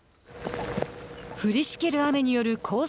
降りしきる雨によるコース